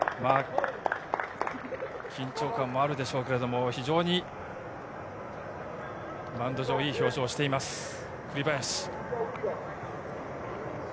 緊張感もあるでしょうけど非常にマウンド上、いい表情をしています、栗林。